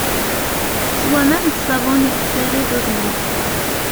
S waman d ssabun i yessared udem-is.